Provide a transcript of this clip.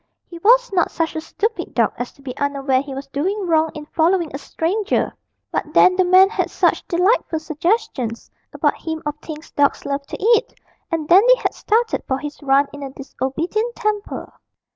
He was not such a stupid dog as to be unaware he was doing wrong in following a stranger, but then the man had such delightful suggestions about him of things dogs love to eat, and Dandy had started for his run in a disobedient temper.